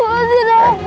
mas di dalamku